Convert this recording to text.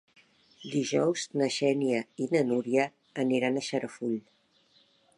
Dijous na Xènia i na Núria aniran a Xarafull.